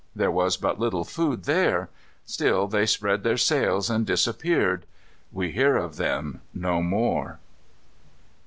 There was but little food there. Still they spread their sails, and disappeared. We hear of them no more.